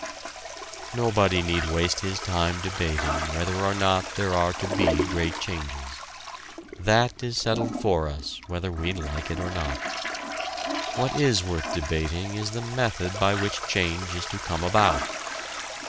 Nobody need waste his time debating whether or not there are to be great changes. That is settled for us whether we like it or not. What is worth debating is the method by which change is to come about.